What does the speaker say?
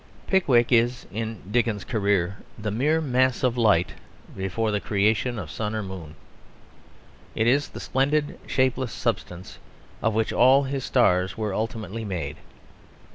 Pickwick is in Dickens's career the mere mass of light before the creation of sun or moon. It is the splendid, shapeless substance of which all his stars were ultimately made.